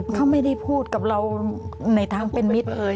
เขาไม่ได้พูดกับเราในทางเป็นมิตรเลย